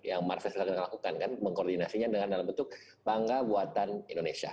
yang marvestor lakukan kan mengkoordinasinya dengan dalam bentuk bangga buatan indonesia